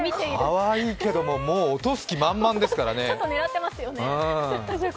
かわいいけど、もう落とす気満々ですからね。